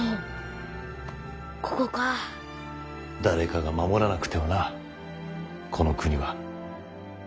誰かが守らなくてはなこの国は。